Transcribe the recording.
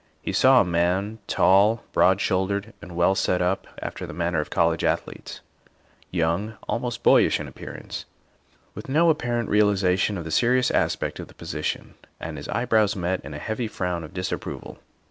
He saw a man, tall, broad shouldered, and well set up, after the manner of college athletes, young, almost boyish in appearance, with no apparent realization of the serious aspect of the position, and his eybrows met in a heavy frown of dis approval.